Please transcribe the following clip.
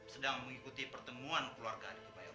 sedang mengikuti pertemuan keluarga